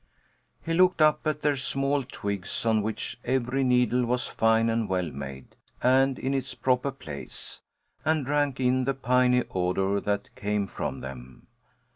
He looked up at their small twigs on which every needle was fine and well made, and in its proper place, and drank in the piney odour that came from them.